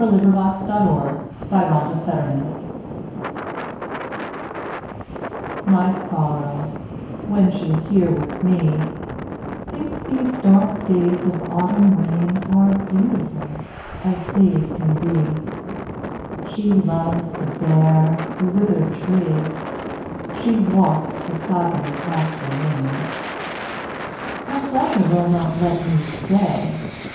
A Boy's Will. 1915. 3. My November Guest MY Sorrow, when she's here with me, Thinks these dark days of autumn rainAre beautiful as days can be; She loves the bare, the withered tree; She walks the sodden pasture lane. Her pleasure will not let me stay.